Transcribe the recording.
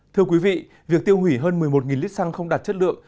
thưa quý vị việc tiêu hủy hơn một mươi một lít xăng không đạt chất lượng